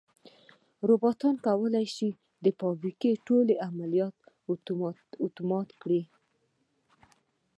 روبوټونه کولی شي د فابریکې ټول عملیات اتومات کړي.